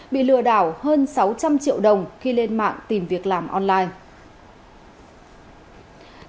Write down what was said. bị lừa đảo hơn sáu trăm linh triệu đồng khi lên mạng tìm việc làm online